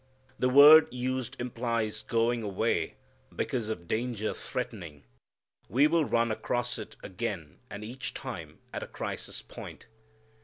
The word used implies going away because of danger threatening. We will run across it again and each time at a crisis point.